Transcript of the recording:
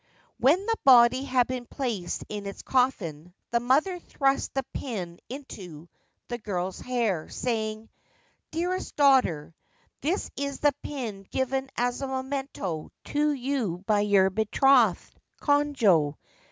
When the body had been placed in its coffin, the mother thrust the pin into the girl's hair, saying :* Dearest daughter, this is the pin given as a memento to you by your betrothed, Konojo.